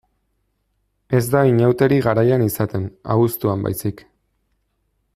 Ez da inauteri garaian izaten, abuztuan baizik.